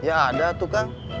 ya ada tuh kang